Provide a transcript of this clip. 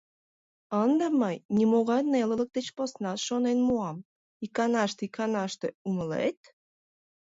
— Ынде мый нимогай нелылык деч поснат шонен муам, иканаште-иканаште, умылет?